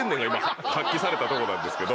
されたとこなんですけど。